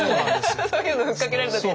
そういうの吹っかけられた時の。